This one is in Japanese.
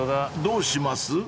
［どうします？］